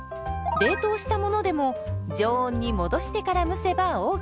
冷凍したものでも常温に戻してから蒸せばＯＫ。